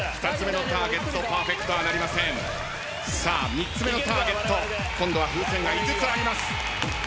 ３つ目のターゲット今度は風船が５つあります。